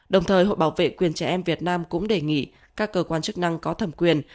đồng thời hội bảo vệ quyền trẻ em việt nam cũng đề nghị các cơ quan chức năng có thẩm quyền